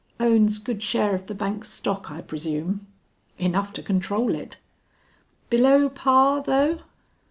"Owns good share of the bank's stock I presume?" "Enough to control it." "Below par though?"